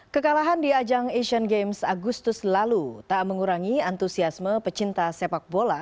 kekalahan di ajang asian games agustus lalu tak mengurangi antusiasme pecinta sepak bola